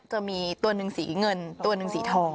จะมีตัวหนึ่งสีเงินตัวหนึ่งสีทอง